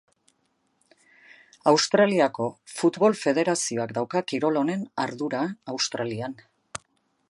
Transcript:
Australiako Futbol Federazioak dauka kirol honen ardura Australian.